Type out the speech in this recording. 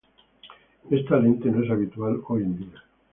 Esta lente no es habitual hoy en día.